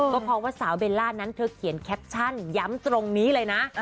ก็เพราะว่าสาวเบลล่านั้นเธอเขียนแคปชั่นย้ำตรงนี้เลยนะ